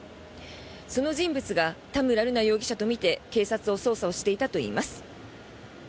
その人物が田村瑠奈容疑者とみて警察は捜査をしていたといいます。